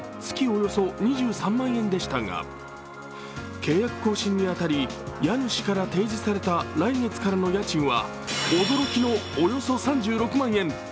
およそ２３万円でしたが契約更新に当たり、家主から提示された来月からの家賃は驚きのおよそ３６万円。